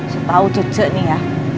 setau cice nih ya